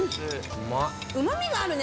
うまみがあるね